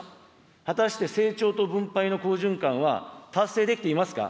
果たして成長と分配の好循環は、達成できていますか。